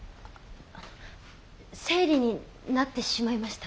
生理になってしまいました。